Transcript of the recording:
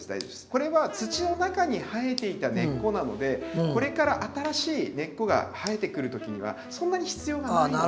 これは土の中に生えていた根っこなのでこれから新しい根っこが生えてくる時にはそんなに必要がないんで。